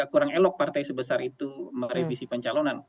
kurang elok partai sebesar itu merevisi pencalonan